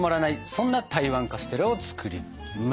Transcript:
そんな台湾カステラを作ります。